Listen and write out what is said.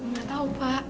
gak tau pak